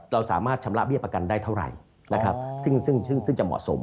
เราสามารถชำระเบี้ยประกันได้เท่าไหร่ซึ่งจะเหมาะสม